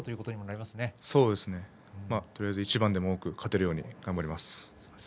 とりあえず一番でも多く勝てるように頑張ります。